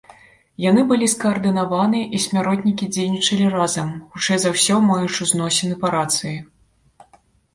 Яны былі скаардынаваны і смяротнікі дзейнічалі разам, хутчэй за ўсё, маючы зносіны па рацыі.